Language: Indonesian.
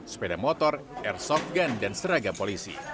sepeda motor airsoft gun dan seragam polisi